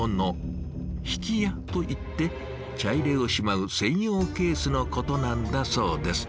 挽家といって茶入れをしまう専用ケースのことなんだそうです。